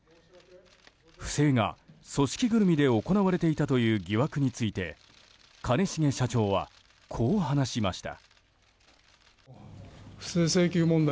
不正が組織ぐるみで行われていたという疑惑について兼重社長はこう話しました。